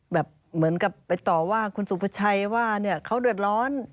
เหมือนกับไปต่อว่าคุณสุภาชัยว่าเนี่ยเขาเดือดร้อน